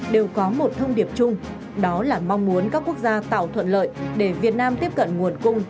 đều có một thông điệp chung đó là mong muốn các quốc gia tạo thuận lợi để việt nam tiếp cận nguồn cung